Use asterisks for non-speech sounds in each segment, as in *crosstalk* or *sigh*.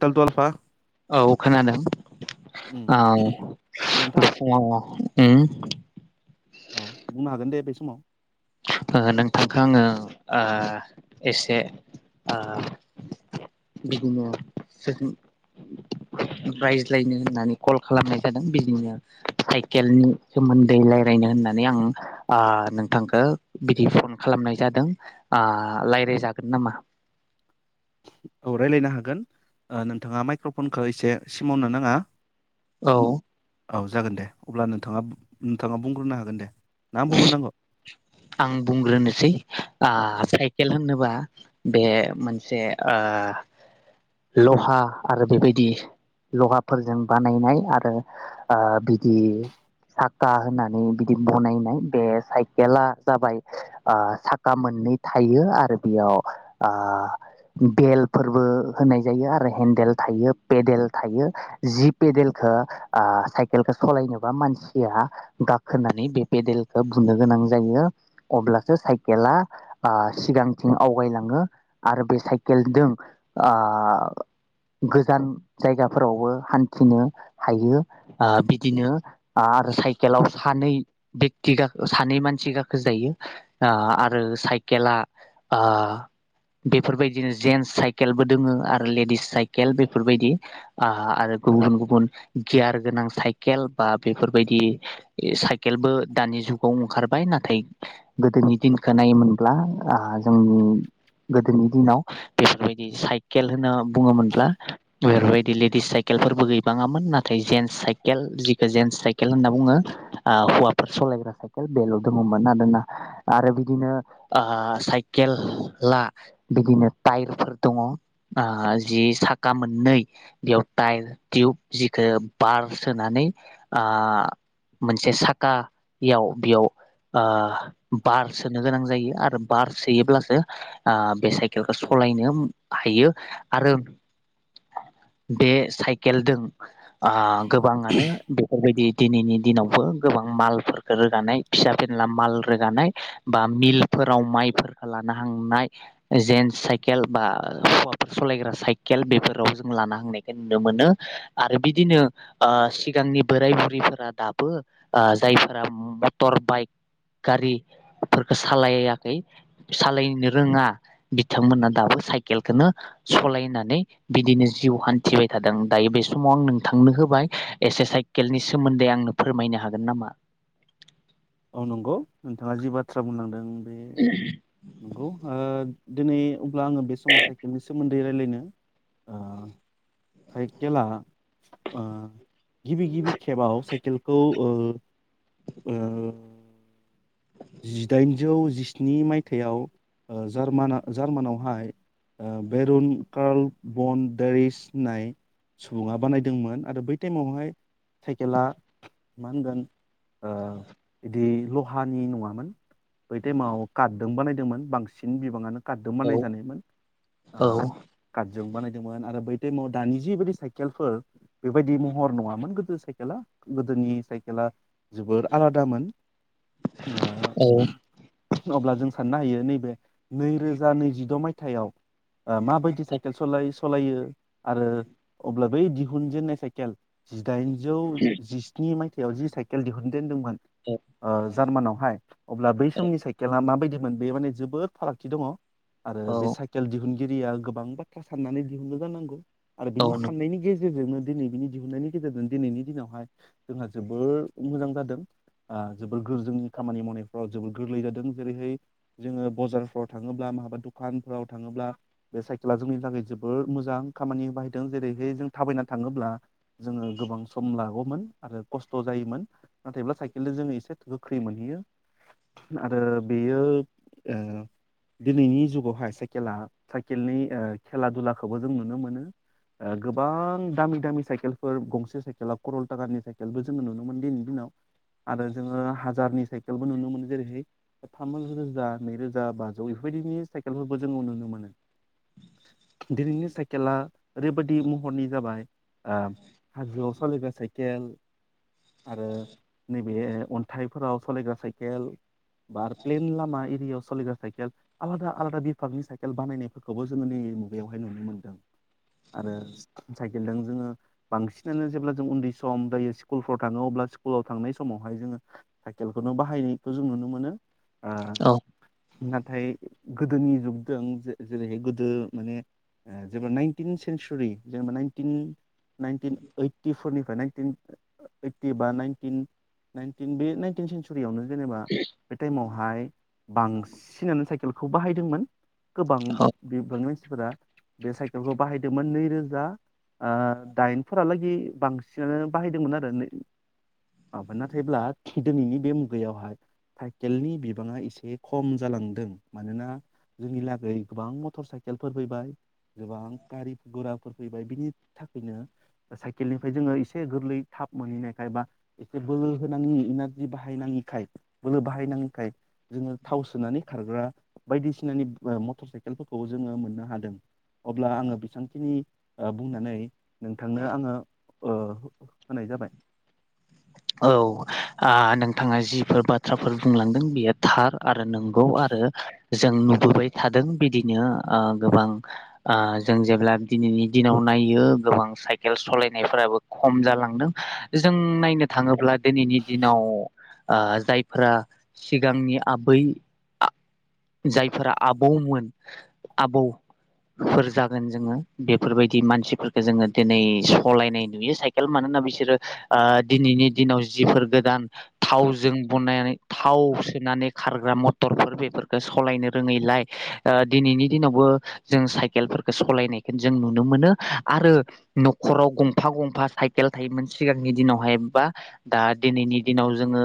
तालथु आलफा औ खोनादों उम औ नोंथां *unintelligible* ओं औ बुंनो हागोन दे बे समाव ओ नोंथांखौ आङो ओ एसे ओ बिदिनो रायज्लायनो होननानै कल खालामनाय जादों बिदिनो साइकेलनि सोमोन्दै रायलायनो होननानै आं ओ नोंथांखौ बिदि फन खालामनाय जादों ओ रायलायजागोन नामा? औ रायज्लायनो हागोन ओ नोंथाङा माइक्र'फनखौ एसे सिमावनो नाङा औ। औ जागोन दे अब्ला नोंथाङा नोंथाङा बुंग्रोनो हागोन दे ना आं बुंग्रोनांगौ आं बुंग्रोनोसै ओ साइकेल होनोबा बे मोनसे ओ लहा आरो बेबायदि लहाफोरजों बानायनाय आरो ओ बिदि साखा होननानै बिदि बनाय बे साइकेला जाबाय ओ साखा मोननै थायो आरो बेयाव ओ बेलफोरबो होनाय जायो आरो हेन्देल थायो पेदेल थायो जि पेदेलखौ ओ साइकेलखौ सलायनोबा मानसिया गाखोनानै बे पेडेलखौ बुनो गोनां जायो अब्लासो साइकेला ओ सिगांथिं आवगायलाङो आरो बे साइकेलजों ओ गोजान जायगाफोरावबो हान्थिनो हायो ओ बिदिनो आरो साइकेलाव सानै *unintelligible* सानै मानसि गाखोजायो ओ आरो साइकेला ओ बेफोरबायदिनो जेन्स साइकेलबो दोङो आरो लेडिस साइकेल बेफोरबायदि ओ आरो गुबुन गुबुन गियार गोनां साइकेल बा बेफोरबायदि साइ केलबो दानि जुगाव ओंखार नाथाय गोदोनि दिनखौ नायोमोनब्ला जों गोदोनि दिनाव बेफोरबायदि साइकेल होनो बुङोमोनब्ला बेफोरबायदि लेडिस साइकेलफोरबो गैबाङामोन नाथाय जेन्स साइकेल जिखौ जेन्स साइकेल होनना बुङो। आ हौवाफोर सालायग्रा साइकेल बेल' दङमोन आरोना आरो बिदिनो आ साइकेला बिदिनो टायारफोर दङ आ जि साखा मोननै बेयाव टायार टिउब जिखौ बार सोनानै आ मोनसे साखायाव बेयाव ओ बार सोनो गोनां जायो आरो बार सोयोब्लासो ओ बे साइकेलखौ सलायनो हायो आरो बे साइकेलजों ओ गोबाङानो बेफोरबायदि दिनैनि दिनावबो गोबां मालफोरखौ रोगानाय फिसा फेनला माल रोगानाय बा मिलफोराव माइफोरखौ लानो थांनाय जेन्स साइकेल बा हौवाफोर सालायग्रा साइकेल बेफोराव जों लाना थांनायखौ नुनो मोनो आरो बिदिनो ओ सिगांनि बोराय-बुरैफोरा दा बो ओ जायफोरा मटर बाइक गारिफोरखौ सालायाखै सालायनो रोङा बिथांमोना दाबो साइकेलखौनो सलायनानै बिदिनो जिउ हान्थिबाय थादों दायो बे समाव आं नोंथांनो होबाय एसे साइकेलनि सोमोन्दै आंनो फोरमायनो हागोन नामा? औ नंगौ नोंथाङा जि बाथ्रा बुंलांदों बे *unintelligible* नंगौ ओ दिनै अब्ला आंङो बे समाव साइकेलनि सोमोन्दै रायलायनो ओ साइकेला ओ गिबि गिबि खेबाव साइकेल औ ओ ओ जिदाइनजौ जिस्नि मायथाइयाव ओ जार्माना जार्मानावहाय ओ बेरुन काल बन देरिस होननाय सुबुङा बानायदोंमोन आरो बै टाइमावहाय साइकेला मा होनगोन ओ बिदि ल'हानि नङा मोन बै टाइमाव खारदों बानाय मोन बांसिन बिबाङानो खारदो औ बानाय जानाय मोन औ आ खाद जों बानायदोंमोन आरो बै टाइमाव दानि जिबायदि साइकेलफोर बेबायदि महर नङामोन गोदो साइकेला गोदोनि साइकेला जोबोर आलादामोन ओ औ अब्ला जों साननो हायो नै बे नैरोजा नैजिद' माय थाइयाव ओ माबायदि साइकेल सलायो सलायो आरो अब्ला बै दिहुनजेननाय साइकेल जिदाइनजौ जिस्नि मायथाय सयाव जि साइकेल दिहुनजेनदोंमोन ओ‌ जार्मानयावहाय अब्ला बै समनि साइकेला माबायदिमोन बे माने जोबोद फारागथि दङ आरो बे औ साइकेल दिहुन गिरिया गोबां बाथ्रा साननानै दिहुनदो जानांगौ आरो बिनि साननायनि गेजेर जोंनो दिनै बिनि दिहुननायनि गेजेरजों दिनैनि दिनावहाय जोंहा जोबोर मोजां जादों ओ जोबोर गोरजोंनि खामानि मावनाय अ ओं गोरलै जादों जेरैहाय जोङो बजारफ्राव थाङोब्ला माबा दखानफोराव थाङोब्ला बे साइकेला जोंनि थाखाय जोबोर मोजां खामानि बाहायदों जेरैहाय जों थाबायना थाङोब्ला जोङो गोबां सम ला अ मोन आरो खस्थ' जायोमोन नाथायब्ला साइकेलजों जोङो एसे थ गोख्रै मोनहैयो आरो बेयो ओ दिनैनि जुगावहाय साय खेला साइकेलनि ओ खेला दुलाखौबो जों नुनो मोनो गोबां दामि दामि साइकेलफोर गंसे साइकेल करल थाकानि साइकेलबो जोङो नुनो मोनो दिनै दिनाव आरो जोङो हाजारनि सायकेल साइकेलबो नुनो मोनो जेरैहै थाम रोजा नैरोजा बाजौ बेफोरबायदिनि साइकेलफोरबो जोङो नुनो मोनो दिनैनि साइकेला ओरैबायदि महरनि जाबाय ओ हाजोआव सलायग्रा साइकेल आरो नैबे अन्थाइफोराव सलायग्रा साइकेल बार प्लेन लामा एरियायाव सोलिग्रा साइकेल आलादा आलादा बिभागनि साइकेल बानायनायफोरखौबो जोङो नैबे मुगायावहाय नुनो मोन्दों आरो साइकेलजों जोङो बांसिनानो जेब्ला जों उन्दै सम दायो स्कुलफ्राव थाङो अब्ला स्कुलाव थांनाय समावहाय जोङो साइकेल बेखौनो बाहायनायखौ जों नुनो मोनो ओ औ नाथ नाथाय गोदोनि जुगजों जे जेरैहाय गोदो माने ओ जेबा नाइनटिन सेन्सुरि जेनेबा नाइनटिन नाइनटिन ओइटिफरनिफ्राय नाइनटिन ओइटि बा नाइनटिन नाइनटिन बे सेनसुरि फोरियावनो जेनेबा बे टाइमाव ओमफाय‌ बांसिनानो साइकेलखौ बाहायदोंमोन गोबां औ बिबांनि मानसिफोरा बे साइकेलखौ बाहायदोंमोन नैरोजा ओ दाइन फोरालागै बांसिनानो बाहायदोंमोन आरो माबा नाथायब्ला दिनैनि बे मुग बैयावहाय साइकेलनि बिबाङा एसे खम जालांदों मानोना जोंनि लागै गोबां मटर साइकेलफोर फैबाय गोबां गारि गराफोर फैबाय बिनि थाखायनो साइकेलनिफ्राय जोङो एसे गोरलै थाब मोनहैनायखाय बा एसे बोलो होनाङि इनारजि बाहायनाङि खाय बोलो बाहायनाङि खाय जोङो थाव सोनानै खारग्रा बायदिसिनानि ओ मटर साइकेल *unintelligible* फोरखौ जोङो मोननो हादों अब्ला आङो बेसेबांखिनि बुंनानै नोंथांनो आङो हो होनाय जाबाय औ ओ नोंथाङा जिफोर बाथ्राफोर बुंलांदों बेयो थार आरो नंगौ आरो जों नुबोबाय थादों बिदिनो ओ गोबां जों जेब्ला दिनैनि दिनाव नायो गोबां साइकेल सलायनायफोराबो खम जालांदों जों नायनो थाङोब्ला दिनैनि दिनाव ओ जायफोरा सिगांनि आबै आ जायफोरा आबौमोन आबौफोर जागोन जोङो बेफोरबायदि मानसिफोरखौ जोङो दिनै सलायनाय नुयो साइकेल मानोना बिसोरो ओ दिनैनि दिनाव जिफोर गोदान थावजों बनानै थाव सोनानै खारग्रा मथ टरफोर बेफोरखौ सलायनो रोङैलाय दिनैनि दिनावबो जों साइकेलफोरखौ सलायनायखौ जों नुनो मोनो आरो नखराव गंफा गंफा साइकेल थायोमोन सिगांनि दिनाव बेहायबा दा दिनैनि दिनाव जोङो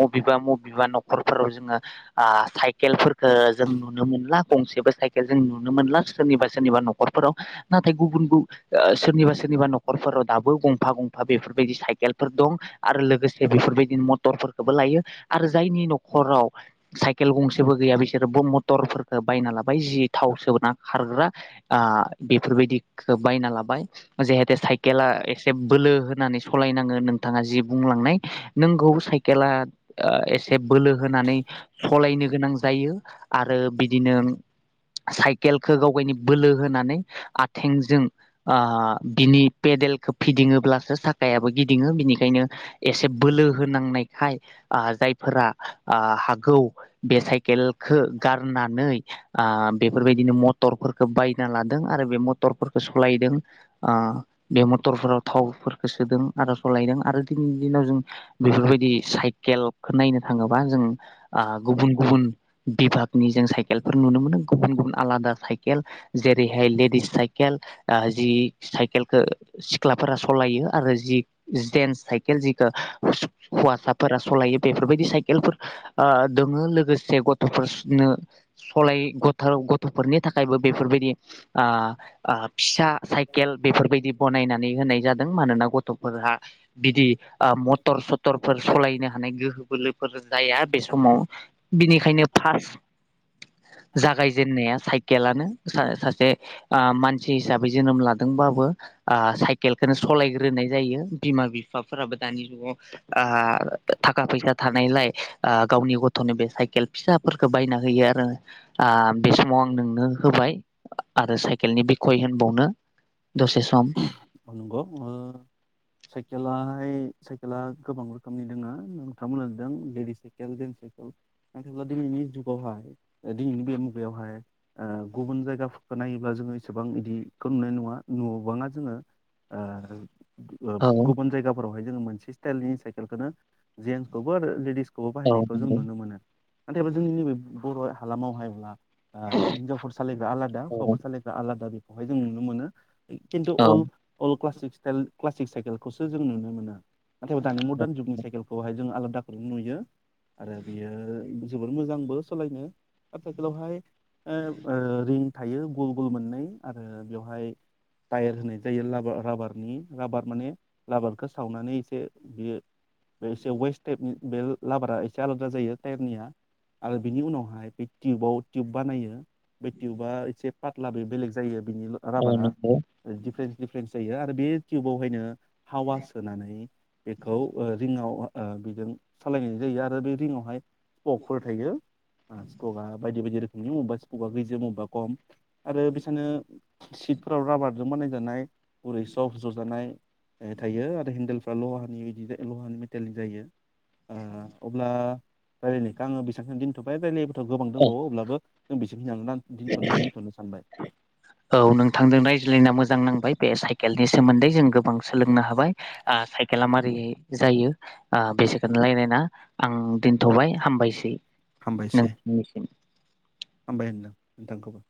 मबेबा मबेबा नखरफोराव जोङो ओ साइकेलख जों नुनो मोनला गंसेबो साइकेल जों नुनो मोनला सोरनिबा सोरनिबा नखरफोराव नाथाय गुबुन गुबन सोरनिबा सोरनिबा नखरफोराव दाबो गंफा गंफा बेफोरबायदि सायकेल साइकेलफोर दं आरो लोगोसे बेफोरबायदिनो मटरफोरखोबो लायो आरो जायनि नखराव साइकेल गंसेबो गैया बिसोरबो मटर फोरखो बायना लाबाय जि थाव सोना खारग्रा आ बेफोरबायदिखौ बायना लाबाय जिहेतु बे साइकेला एसे बोलो होनानै सलायनांग नो नोंथाङा जि बुंलांनाय नोंगौ साइकेला ओ बोलो होनानै सलायनो गोनां जायो आरो बिदिनोम साइकेलखो गावगायनि बोलो होनानै आथेंजों ओ बिनि पेदेलखौ फिदिङोब्लासो साबो गिदिङो बिनिखायनो एसे बोलो होनांनायखाय आ जायफोरा आ‌ हागौ बे साइकेलखौ गारनानै आ बेफोरबायदिनो मटरफोरखो बायना लादों आरो बे मटरफोरखो सालायदों आ बे मटरफोराव थावफोरखौ सोदों आरो सालायदों आरो दिनैनि दिनाव जों बेफोरबायदि साइकेलखौ नायनो थाङोबा जों गुबुन गुबुन बिभागनि जों साइकेलफोर नुनो मोनो गुबुन गुबुन आलादा साइकेल जेरैहाय लेडिस साइकेल जि साइकेखो सिख्लाफोरा सलायो आरो जि जेन्स साइकेल जिखो हौवासाफोरा सलायो बेफोरबायदि साइकेलफोर ओ दोङो लोगोसे गथ'फोरसनो सलायनो गथ'फोरनि थाखायबो बेफोरबायदि आ फिसा साइकेल बेफोरबायदि गनायनानै होनाय जादों मानोना गथ गथ'फोरहा बिदि आ मटर सथरफोर सलायनो हानाय गोहो बोलोफोर जाया बे समाव बिनिखायनो फार्स जागायजेननाया साइकेलानो सा सासे आ मानसि हिसाबै जोनोम लादोंबाबो आ सायक केलखोनो सलायग्रोनाय जायो बिमा बिफाफोराबो दानि जुगाव ओ थाखा फैसा थानायलाय ओ गावनि गथ'नो बे साइकेल फिसाफोरखौ बायना होयो आरो ओ बे समाव आं नोंनो होबाय आरो साइकेलनि बिखय होनबावनो दसे सम *unintelligible* *inaudible* साइकेेलाहाय साइकेला गोबां रोखोमनि दोङा नोंथांमोना नुदों लेडिस साइकेल जेन्स साइकेल नथायब्ला दिनैनि जुगावहाय दिनैनि बे मुगायावहाय गुबुन जायगाफोरखौ नायोब्ला जोङो इसेबां बिदिखौ नुनाय नङा न'आव गोबाङा जोङो ओ ओ औ गुबुन जायगाफोरावहाय जों मोनसे स्टाइलनि साइकेलखौनो जेंट्स खौबो आरो लेडीज खौबो खौबो औ बाहायनायखौ जों नंगौ नुनो मोनो नाथायबा जोंनि नैबे बर' हालामावहायब्ला ओ हिनजावफोर सालायग्रा आलादा औ हौवाफोर सालायग्रा आलादा बे बेहाय जों नुनो मोनो खिन्थु औ अल अल क्लास सिक्स क्लासिक साइकेल खौसो जों नुनो मोनो। नाथायबा दानि मार्न जुगनि साइकेलखौहाय जों आलादा *unintelligible* नुयो आरो बियो जोबोर मोजांबो सालायनो। दा सायखेलावहाय ओ ओ रि थायो गल गल मोननै आरो बेवहाय टायार होनाय जायो लाबा राबारनि राबार माने राबारखौ सावनानै एसे बियो बे एसे वेस्ट टाइप नि बे लाबारा एसे आलादा जायो टायारनिया आरो बिनि उनावहाय बे टिउबाव टिउब बानायो बे टिउबा एसे पाथ्ला बे बेलेग जायो। बिनि राबारा *unintelligible* दिफारेन्स दिफारेन्स जायो आरो बे टिउबावहायनो हावा सोनानै बेखौ ओ रिङाव ओ बेजों सालायनाय जायो आरो बे रिंयावहाय स्पकफोर थायो स्पकआ बायदि बायदि रोखो *unintelligible* आरो बिसानो सिटफोराव राबार जों बानायजानाय गुरै सब जजानाय थायो आरो हेन्देलफ्रा लहानि बिदि लहानि मेटेलनि जायो आ अब्ला रायज्लायनायखौ आङो बेसेबांसिखिनियाव दोनथ'बाय गोबां औ दंबावो अब्लाबो *unintelligible* दोनथनो सानबाय। रायलायना मोजां नांबाय बे साइकेलनि सोमोन्दै जों गोबां सोलोंनो हाबाय ओ साइकेला मारै जायो बेखौ ओ रायलायना आं दोनथबाय हामबायसै। हामबायसै नोंथांनिसिम। हामबाय होनदों नोंथांखौबो।